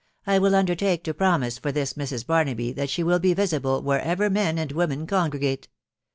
.,. I will undertake to promise for this Mrs. Barnaby, that she will be visible wherever men and women congregate.